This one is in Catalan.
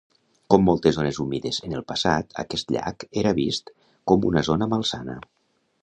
Com moltes zones humides en el passat, aquest llac era vist com una zona malsana.